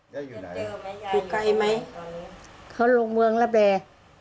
อยู่ไหนอยู่ไกลไหมเขาลงเมืองแล้วแบ่